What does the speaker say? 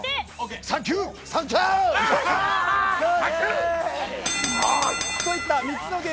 サンキュー。